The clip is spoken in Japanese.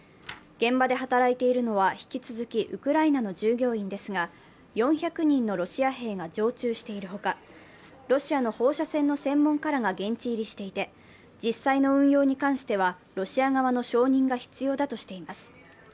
現場で働いているのは引き続きウクライナの従業員ですが４００人のロシア兵が常駐しているほかロシアの放射線の専門家らが現地入りしていて実際の運用に関してはロシア側の承認が必要だとしています。